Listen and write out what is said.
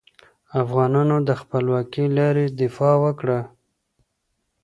افغانانو د خپلواکې لارې دفاع وکړه.